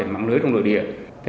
nhận thấy rõ âm mưu